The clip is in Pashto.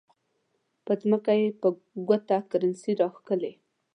په ځمکه یې په ګوته کرښې راښکلې.